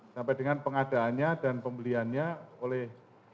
sampai dengan pengadaannya dan pembeliannya oleh